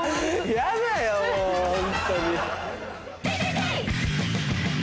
ヤダよもうホントに。